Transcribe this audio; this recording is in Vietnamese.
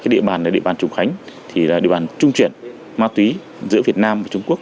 địa bàn trùng khánh là địa bàn trung chuyển ma túy giữa việt nam và trung quốc